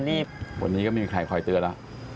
วันนี้ก็ไม่มีใครคอยเตือนแล้ว